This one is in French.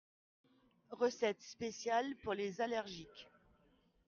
Recette spéciale pour les allergiques.